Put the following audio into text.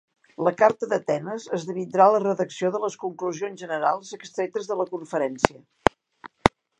La Carta d'Atenes esdevindrà la redacció de les conclusions generals extretes de la Conferència.